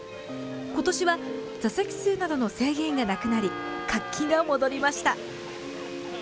今年は、座席数などの制限がなくなり、活気が戻りました。